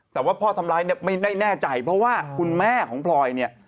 แต่ว่าพ่อทำร้ายเนี่ยไม่แน่ใจเพราะว่าคุณแม่ของพลอยเนี่ย